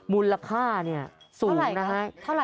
มูลค่าสูงนะฮะ